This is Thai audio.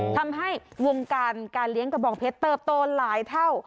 ทำให้วงการการเลี้ยงกระบองเพชรเติบโตหลายเท่า